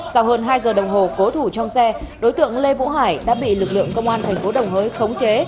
sau hơn hai giờ đồng hồ cố thủ trong xe đối tượng lê vũ hải đã bị lực lượng công an thành phố đồng hới khống chế